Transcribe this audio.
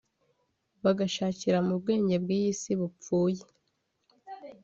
bagashakira mu bwenge bw’iyi si bupfuye